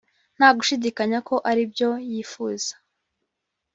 Ntagushidikanya ko ari byo yifuza